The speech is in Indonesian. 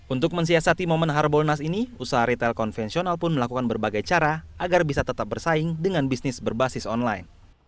untuk mensiasati momen harbolnas ini usaha retail konvensional pun melakukan berbagai cara agar bisa tetap bersaing dengan bisnis berbasis online